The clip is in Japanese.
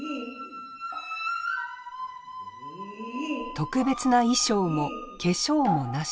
特別な衣装も化粧もなし。